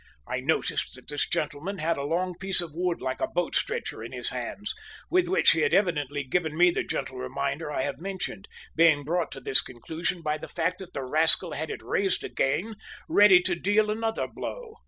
I noticed that this gentleman had a long piece of wood like a boat stretcher in his hands, with which he had evidently given me the gentle reminder I have mentioned, being brought to this conclusion by the fact that the rascal had it raised ready to deal another blow.